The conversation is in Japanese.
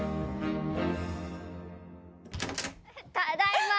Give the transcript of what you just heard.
ただいま！